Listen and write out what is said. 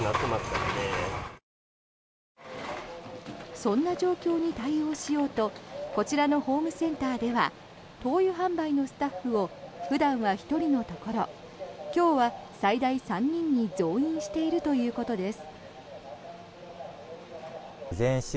そんな状況に対応しようとこちらのホームセンターでは灯油販売のスタッフを普段は１人のところ今日は最大３人に増員しているということです。